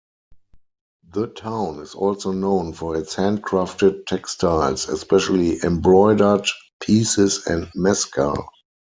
The town is also known for its handcrafted textiles, especially embroidered pieces and mezcal.